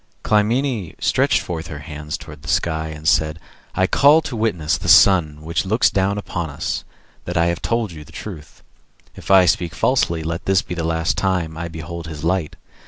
Clymene stretched forth her hands towards the skies, and said, "I call to witness the Sun which looks down upon us, that I have told you the truth. If I speak falsely, let this be the last time I behold his light.